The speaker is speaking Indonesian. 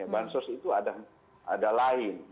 bansos itu ada lain